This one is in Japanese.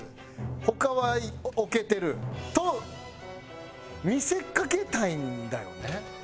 他は置けてる。と見せかけたいんだよねきっと。